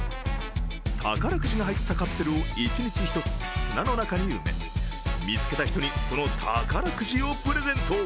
宝くじが入ったカプセルを１日１つ砂の中に埋め見つけた人に、その宝くじをプレゼント。